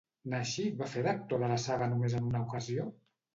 Naschy va fer d'actor de la saga només en una ocasió?